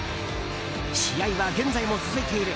試合は現在も続いている。